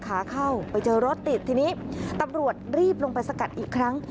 ขาเข้าไปเจอรถติดทีนี้ตำรวจรีบลงไปสกัดอีกครั้ง